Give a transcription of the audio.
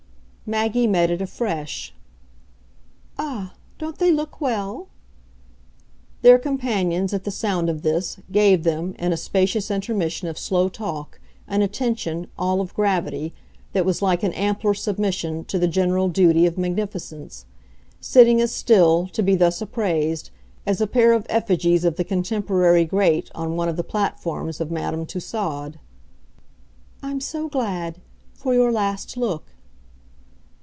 Maggie met it afresh "Ah, don't they look well?" Their companions, at the sound of this, gave them, in a spacious intermission of slow talk, an attention, all of gravity, that was like an ampler submission to the general duty of magnificence; sitting as still, to be thus appraised, as a pair of effigies of the contemporary great on one of the platforms of Madame Tussaud. "I'm so glad for your last look."